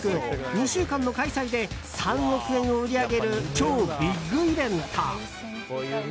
２週間の開催で３億円を売り上げる超ビッグイベント。